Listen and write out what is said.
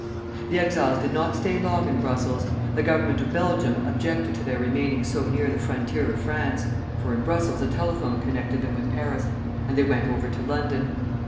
The exiles did not stay long in Brussels. The Government of Belgium objected to their remaining so near the frontier of France, for in Brussels a telephone connected them with Paris, and they went over to London.